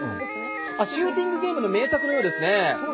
シューティングゲームの名作のようですね。